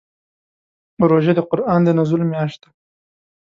روژه د قرآن د نزول میاشت ده.